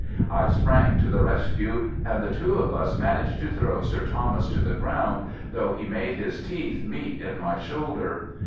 I sprang to the rescue, and the two of us managed to throw Sir Thomas to the ground, though he made his teeth meet in my shoulder.